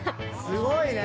すごいね。